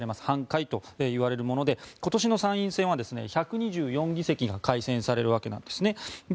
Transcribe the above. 半改といわれるもので今年の参院選は１２４議席が改選されるわけです。